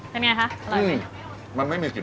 เป็นสุขภาพอย่างเดียวเลย